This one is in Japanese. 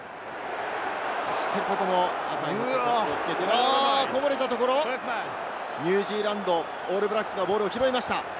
そしてここは、こぼれたところ、ニュージーランド、オールブラックスがボールを拾いました。